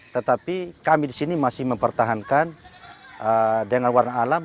tetapi kami di sini masih mempertahankan dengan warna alam